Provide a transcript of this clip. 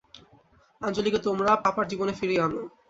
আঞ্জলীকে তোমার পাপার জীবনে ফিরিয়ে আনো।